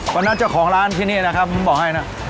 เจ้าของร้านที่นี่นะครับผมบอกให้นะ